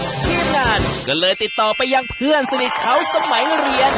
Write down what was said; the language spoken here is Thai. ทีมงานก็เลยติดต่อไปยังเพื่อนสนิทเขาสมัยเรียน